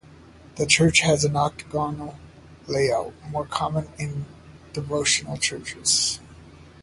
The church has an octagonal layout more common in devotional churches.